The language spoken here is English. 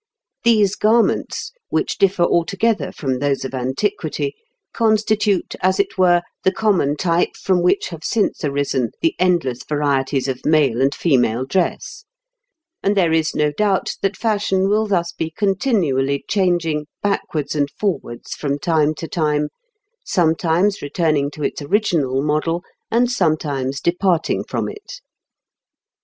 These garments, which differ altogether from those of antiquity, constitute, as it were, the common type from which have since arisen the endless varieties of male and female dress; and there is no doubt that fashion will thus be continually changing backwards and forwards from time to time, sometimes returning to its original model, and sometimes departing from it.